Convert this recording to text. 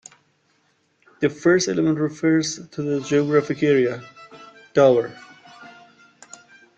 The first element refers to the geographic area, "Dovre".